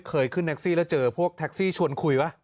เคยขึ้นแคคซี่แล้วเจอโดยพวกแคคซี่ชวนคุยไหม